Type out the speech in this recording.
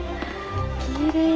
きれい。